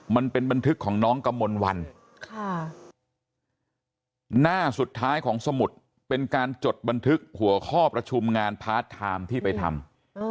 บันทึกของน้องกมลวันหน้าสุดท้ายของสมุดเป็นการจดบันทึกหัวข้อประชุมงานพาร์ทไทม์ที่ไปทำ